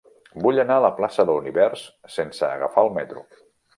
Vull anar a la plaça de l'Univers sense agafar el metro.